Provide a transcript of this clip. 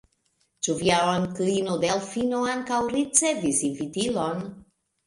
Ĉu via onklino Delfino ankaŭ ricevis invitilon?